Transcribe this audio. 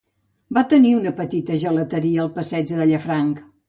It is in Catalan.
Va tenir una petita gelateria al passeig de Llafranc.